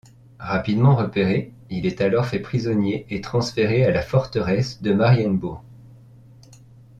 Rapidement repéré, il est alors fait prisonnier et transféré à la forteresse de Marienbourg.